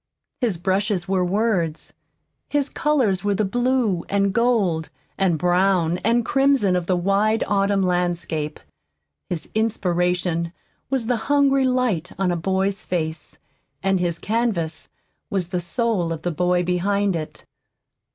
His brushes were words, his colors were the blue and gold and brown and crimson of the wide autumn landscape, his inspiration was the hungry light on a boy's face, and his canvas was the soul of the boy behind it.